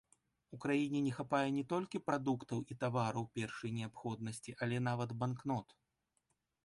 У краіне не хапае не толькі прадуктаў і тавараў першай неабходнасці, але нават банкнот.